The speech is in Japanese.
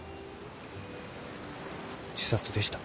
自殺でした。